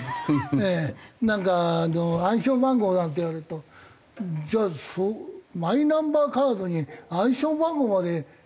なんか暗証番号なんて言われるとじゃあマイナンバーカードに暗証番号まで必要なの？